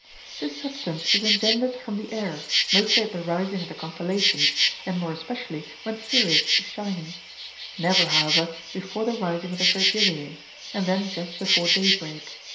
(12.) This substance is engendered from the air,31 mostly at the rising of the constellations, and more especially when Sirius is shining ; never, however, before the rising of the Vergiliae, and then just before day break.